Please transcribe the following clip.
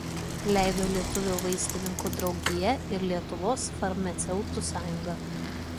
Leido Lietuvių vaistininkų draugija ir Lietuvos farmaceutų sąjunga.